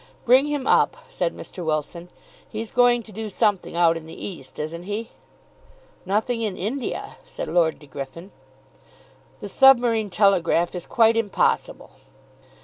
"Bring him up," said Mr. Wilson. "He's going to do something out in the East, isn't he?" "Nothing in India," said Lord De Griffin. "The submarine telegraph is quite impossible."